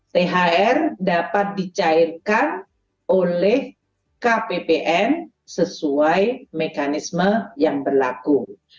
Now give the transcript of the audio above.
thr dapat dicairkan oleh kppm sesuai mekanisme yang berlaku